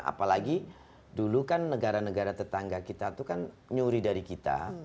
apalagi dulu kan negara negara tetangga kita itu kan nyuri dari kita